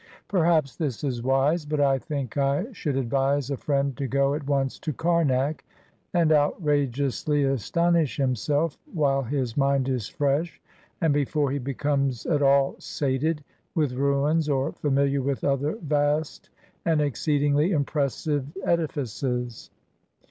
Perhaps this is wise; but I think I should advise a friend to go at once to Kamak and outrageously aston ish himself, while his mind is fresh, and before he becomes at all sated with ruins or famihar wdth other vast and exceedingly impressive edifices.